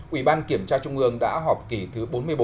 ủy ban kiểm tra trung ương đã họp kỳ thứ bốn mươi bốn